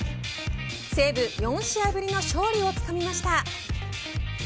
西武、４試合ぶりの勝利をつかみました。